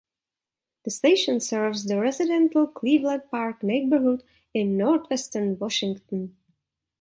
The station serves the residential Cleveland Park neighborhood in Northwestern Washington.